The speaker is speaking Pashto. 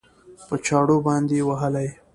په چاړو باندې وهلى؟